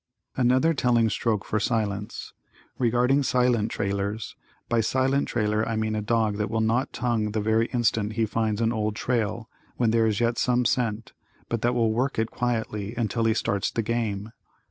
Another telling stroke for silence: Regarding silent trailers: By silent trailer I mean a dog that will not tongue the very instant he finds an old trail when there is yet some scent, but that will work it quietly until he starts the game.